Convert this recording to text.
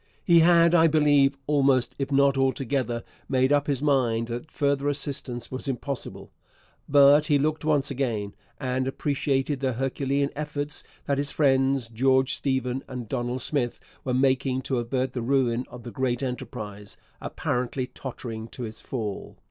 He had, I believe, almost if not altogether, made up his mind that further assistance was impossible. But he looked once again, and appreciated the herculean efforts that his friends George Stephen and Donald Smith were making to avert the ruin of the great enterprise, apparently tottering to its fall.